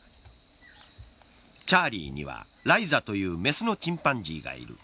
チャーリーには、ライザというメスのチンパンジーがいる。